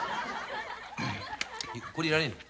これいらねえの。